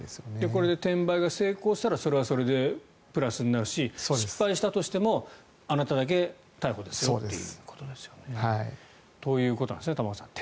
これで転売が成功したらそれはそれでプラスになるし失敗したとしてもあなただけ逮捕ですよということですよね。ということですね、玉川さん。